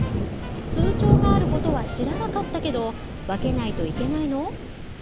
通帳があることは知らなかったけど分けないといけないの？